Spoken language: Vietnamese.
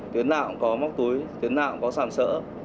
tuyến nào cũng có móc túi tuyến nào cũng có sàm sỡ